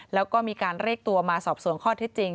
แล้วก็มีการเรียกตัวมาสอบสวนข้อที่จริง